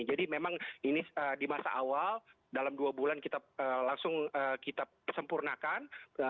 jadi memang ini di masa awal dalam dua bulan kita langsung kita kesempurnakan